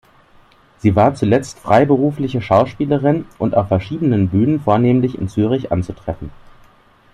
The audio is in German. Sie war zuletzt freiberufliche Schauspielerin und auf verschiedenen Bühnen, vornehmlich in Zürich, anzutreffen.